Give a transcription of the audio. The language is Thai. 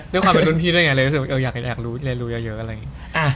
ด้วยความเป็นทุนพี่ด้วยเลยอยากรู้เยอะ